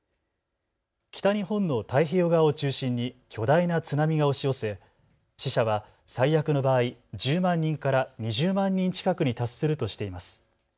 北日本の太平洋側を中心に巨大な津波が押し寄せ、死者は最悪の場合、１０万人から２０万人近くに達するとしています。